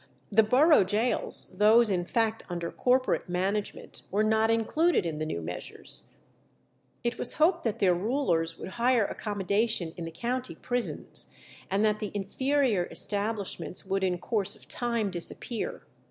The borough gaols, those in fact under corporate management, were not included in the new measures; it was hoped that their rulers would hire accommodation in the county prisons, and that the inferior establishments would in course of time disappear.